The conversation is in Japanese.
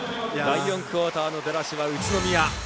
第４クオーターの出だしは宇都宮。